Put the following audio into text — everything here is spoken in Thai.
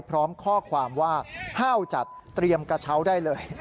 พร้อมข้อความว่าห้าวจัดเตรียมกระเช้าได้เลย